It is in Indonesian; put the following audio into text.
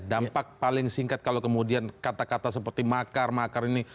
dampak paling singkat kalau kemudian kata kata seperti makar makar ini